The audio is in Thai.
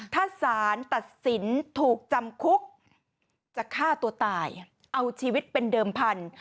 ถ้าสารตัดสินถูกจำคุกจะฆ่าตัวตายเอาชีวิตเป็นเดิมพันธุ